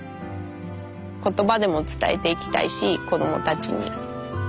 言葉でも伝えていきたいし子供たちに。